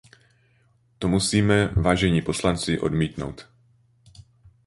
To musíme, vážení poslanci, odmítnout.